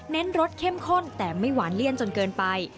รสเข้มข้นแต่ไม่หวานเลี่ยนจนเกินไป